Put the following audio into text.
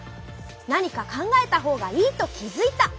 何か考えた方がいいと気づいた。